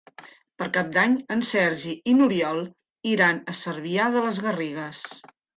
Per Cap d'Any en Sergi i n'Oriol iran a Cervià de les Garrigues.